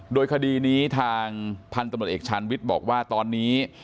โดยคดีนี้ทางพันธุ์ตำรวจเอกชาญวิทย์บอกว่าตอนนี้